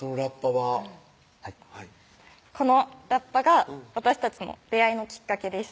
はいこのラッパが私たちの出会いのきっかけです